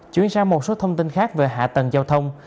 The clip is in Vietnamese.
chuyển sang một số thông tin khác về hạ tầng giao thông